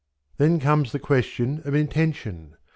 Then comes the question of intention.